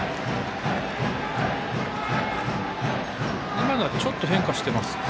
今のはちょっと変化していますか。